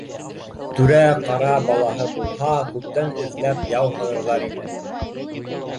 Түрә-ҡара балаһы булһа, күптән эҙләп яу һалырҙар ине